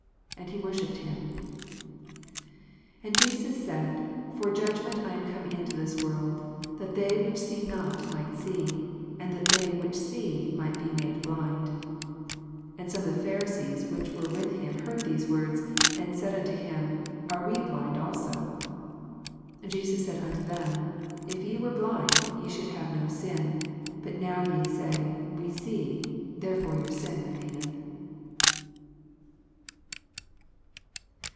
And he worshipped him. 39 IT And Jesua said, For judgment I am come into this world, that they which see not might see; and that they which see might be made blind. 40 And aonu of the Pharisees which were with him heard these words, and said unto him, Are we blind also? 41 Jesus said unto them, If ye were blind, ye should have no sin: but now ye say. We see; therefore your sin remaineth.